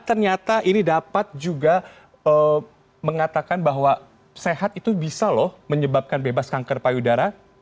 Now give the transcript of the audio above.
ternyata ini dapat juga mengatakan bahwa sehat itu bisa loh menyebabkan bebas kanker payudara